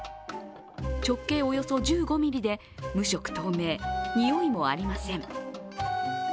直径およそ１５ｍｍで無色透明においもありません。